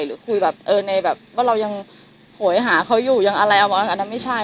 หรือคุยแบบว่าเรายังห่วยหาเขาอยู่ยังอะไรอ่ะไม่ใช่